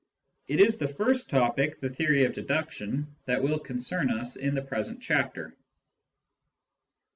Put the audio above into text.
It is the first topic, the theory of deduction, that will concern us in the present chapter.